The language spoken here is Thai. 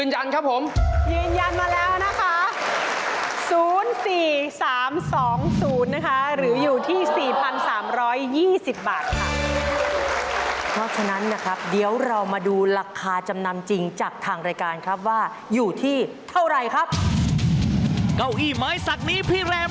ยืนยันครับผม